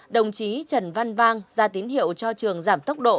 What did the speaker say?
đồng chí trần văn vang ra tín hiệu cho trường giảm tốc độ